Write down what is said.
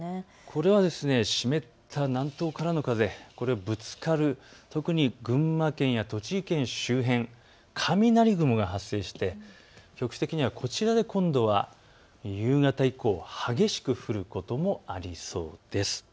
これは湿った南東からの風がぶつかる、特に群馬県や栃木県周辺、雷雲が発生して局地的にはこちらで夕方以降、激しく降ることもありそうです。